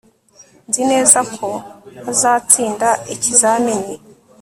Nzi neza ko azatsinda ikizamini